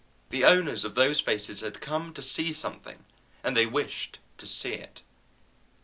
The owners of those faces had come to see something, and they wished to see it.